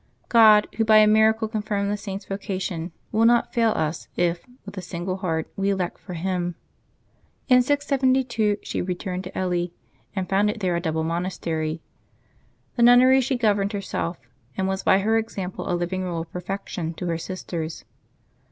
God, Who by a miracle confirmed the Saint's vocation, will not fail us if, with a single heart, we elect for Him. In 672 she returned to Ely, and founded there a double monastery. The nunnery she governed herself, and was by her example a living rule of perfection to her sisters.